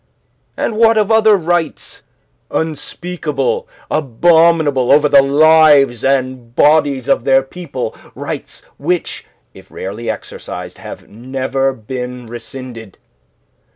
"And what of other rights, unspeakable, abominable, over the lives and bodies of their people, rights which, if rarely exercised, have never been rescinded.